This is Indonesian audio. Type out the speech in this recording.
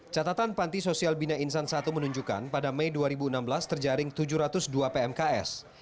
catatan panti sosial bina insan i menunjukkan pada mei dua ribu enam belas terjaring tujuh ratus dua pmks